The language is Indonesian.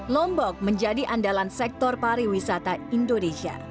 lombok menjadi andalan sektor pariwisata indonesia